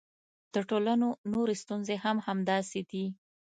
د ټولنو نورې ستونزې هم همداسې دي.